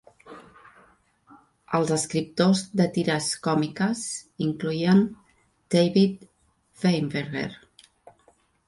Els escriptors de tires còmiques incloïen David Weinberger.